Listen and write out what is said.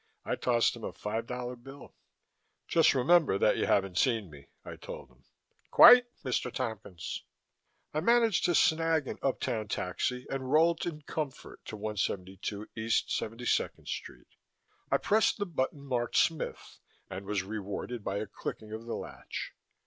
I tossed him a five dollar bill. "Just remember that you haven't seen me," I told him. "Quite, Mr. Tompkins." I managed to snag an uptown taxi and rolled in comfort to 172 East 72nd Street. I pressed the button marked Smith and was rewarded by a clicking of the latch.